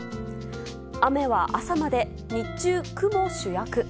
雨は朝まで、日中雲主役。